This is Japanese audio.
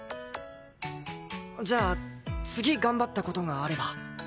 じゃあ次頑張った事があれば。